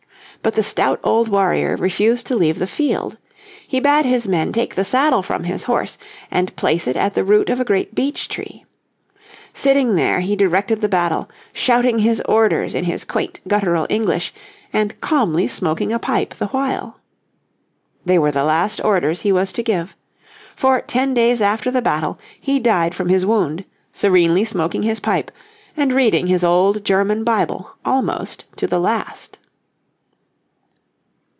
But the stout old warrior refused to leave the field. He bade his men take the saddle from his horse and place it at the root of a great beech tree. Sitting there he directed the battle, shouting his orders in his quaint guttural English, and calmly smoking a pipe the while. They were the last orders he was to give. For, ten days after the battle he died from his wound, serenely smoking his pipe, and reading his old German Bible almost to the last.